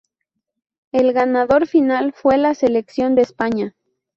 El ganador final fue la selección de España.